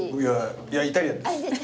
いやイタリアンです。